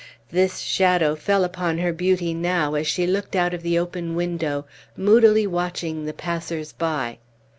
This shadow fell upon her beauty now as she looked out of the open window, moodily watching the passers by.